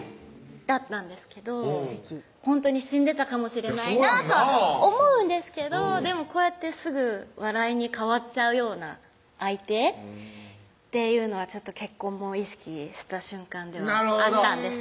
だったんですけど死んでたかもしれないなとは思うんですけどこうやってすぐ笑いに変わっちゃうような相手っていうのは結婚も意識した瞬間ではあったんですよ